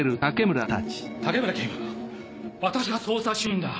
竹村警部私が捜査主任だ！